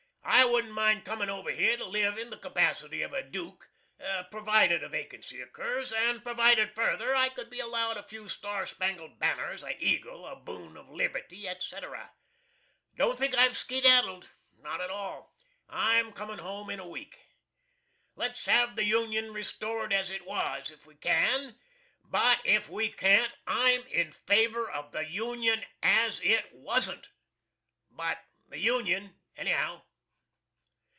I wouldn't mind comin' over here to live in the capacity of a Duke, provided a vacancy occurs, and provided further I could be allowed a few star spangled banners, a eagle, a boon of liberty, etc. Don't think I've skedaddled. Not at all. I'm coming home in a week. Let's have the Union restored as it was, if we can; but if we can't, I'M IN FAVOR OF THE UNION AS IT WASN'T. But the Union, anyhow.